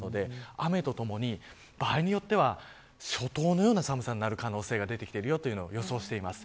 雨とともに、場合によっては初冬のような寒さになる可能性が出てきていると予想しています。